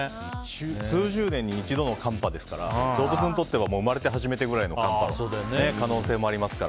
数十年に一度の寒波ですから動物にとっては生まれて初めてくらいの寒波の可能性もありますから。